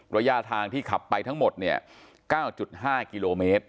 ระยะทางที่ขับไปทั้งหมด๙๕กิโลเมตร